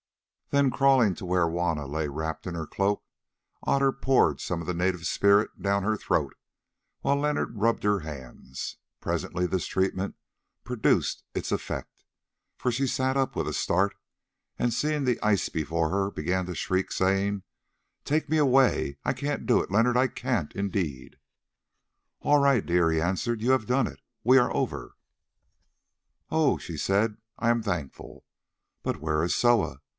Then crawling to where Juanna lay wrapped in her cloak, Otter poured some of the native spirit down her throat while Leonard rubbed her hands. Presently this treatment produced its effect, for she sat up with a start, and seeing the ice before her, began to shriek, saying, "Take me away; I can't do it, Leonard, I can't indeed." "All right, dear," he answered, "you have done it. We are over." "Oh!" she said, "I am thankful. But where is Soa?